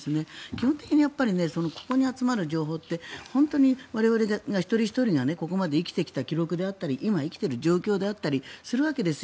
基本的にここに集まる情報って我々、一人ひとりがここまで生きてきた記録だったり今まで生きてきた情報だったりするわけです。